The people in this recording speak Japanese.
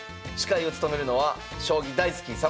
司会を務めるのは将棋大好き！